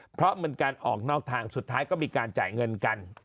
เพราะมันการออกนอกทางสุดท้ายก็มีการจ่ายเงินกัน